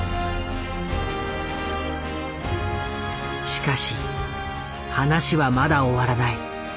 しかし話はまだ終わらない。